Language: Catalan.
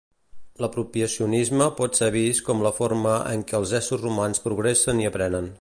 L'apropiacionisme pot ser vist com la forma en què els éssers humans progressen i aprenen.